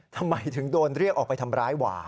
ทำไมถึงโดนเรียกออกไปทำร้ายหว่า